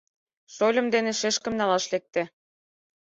Шольым дене шешкым налаш лекте;